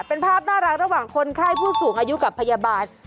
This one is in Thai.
เป็นภาพน่ารักระหว่างคนไข้ผู้สูงอายุกับพยาบาล